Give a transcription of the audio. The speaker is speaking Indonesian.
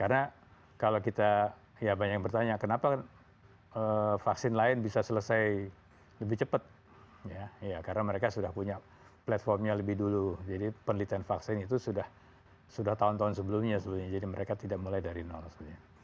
karena kalau kita ya banyak yang bertanya kenapa vaksin lain bisa selesai lebih cepat ya karena mereka sudah punya platformnya lebih dulu jadi penelitian vaksin itu sudah tahun tahun sebelumnya jadi mereka tidak mulai dari nol sebenarnya